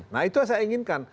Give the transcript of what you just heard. nah itu yang saya inginkan